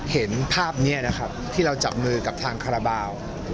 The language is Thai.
เห็นภาพนี้นะครับที่เราจับมือกับทางคาราบาล